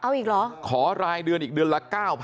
เอาอีกเหรอขอรายเดือนอีกเดือนละ๙๐๐